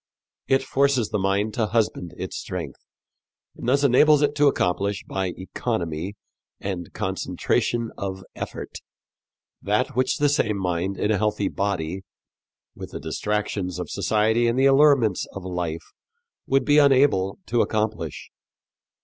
It forces the mind to husband its strength, and thus enables it to accomplish by economy and concentration of effort that which the same mind in a healthy body, with the distractions of society and the allurements of life, would be unable to accomplish.